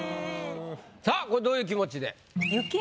さぁこれどういう気持ちで？